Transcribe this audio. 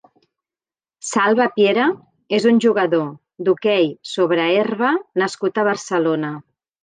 Salva Piera és un jugador d'hoquei sobre herba nascut a Barcelona.